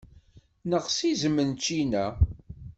Neɣs izem n ččina.